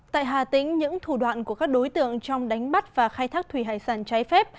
tại hà tĩnh những thủ đoạn của các đối tượng trong đánh bắt và khai thác thủy hải sản trái phép